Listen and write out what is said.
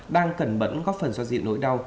đang cẩn bẩn góp phần do diện nỗi đau